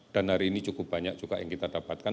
dan hari ini cukup banyak juga yang kita dapatkan